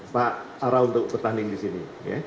pak ara untuk pertanding disini